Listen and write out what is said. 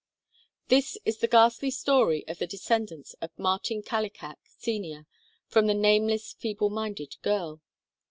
This is the ghastly story of the descendants of Martin Kallikak Sr., from the nameless feeble minded girl.